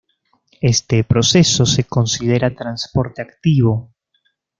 Este proceso se considera transporte activo.